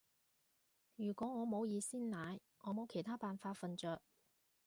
如果我冇熱鮮奶，我冇其他辦法瞓着